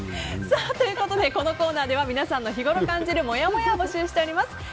このコーナーでは皆さんの日ごろ感じるもやもやを募集しております。